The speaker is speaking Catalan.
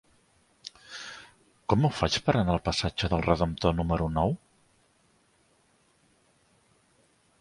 Com ho faig per anar al passatge del Redemptor número nou?